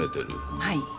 はい。